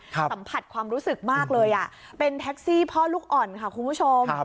สัมผัสความรู้สึกมากเลยเป็นแท็กซี่พ่อลูกอ่อนค่ะคุณผู้ชม